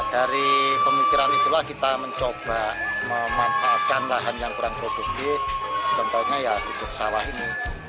dari pemikiran itulah kita mencoba memanfaatkan lahan yang kurang produktif contohnya ya guguk sawah ini